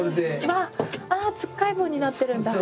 ああつっかい棒になってるんだ。